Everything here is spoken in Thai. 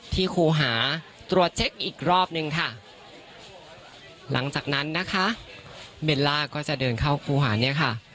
ครูหาตรวจเช็คอีกรอบนึงค่ะหลังจากนั้นนะคะเบลล่าก็จะเดินเข้าครูหาเนี่ยค่ะ